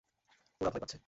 ওরা ভয় পাচ্ছে!